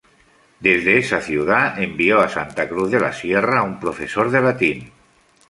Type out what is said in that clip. Desde esa ciudad envió a Santa Cruz de la Sierra un profesor de latín.